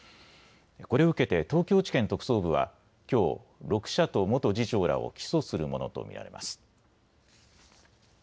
これを受けて東京地検特捜部はきょう６社と元次長らを起訴するものと見られます。